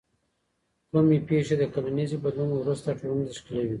کومې پیښې د کلنیزې بدلون وروسته ټولنه تشکیلوي؟